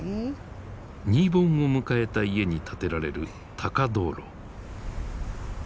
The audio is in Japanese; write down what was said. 新盆を迎えた家に立てられる高灯籠。